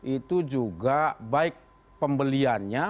itu juga baik pembeliannya